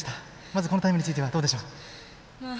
まず、このタイムについてはどうでしょう？